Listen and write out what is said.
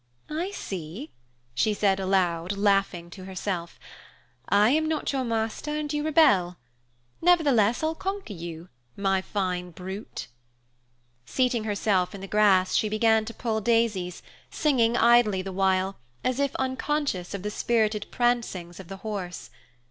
"I see," she said aloud, laughing to herself. "I am not your master, and you rebel. Nevertheless, I'll conquer you, my fine brute." Seating herself in the grass, she began to pull daisies, singing idly the while, as if unconscious of the spirited prancings of the horse.